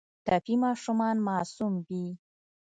ټپي ماشومان معصوم وي.